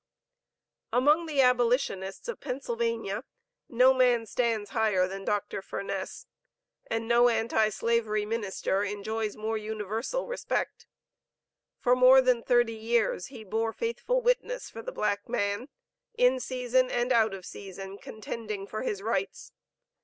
Among the Abolitionists of Pennsylvania no man stands higher than Dr. Furness; and no anti slavery minister enjoys more universal respect. For more than thirty years he bore faithful witness for the black man; in season and out of season contending for his rights.